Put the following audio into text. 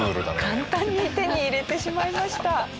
簡単に手に入れてしまいました。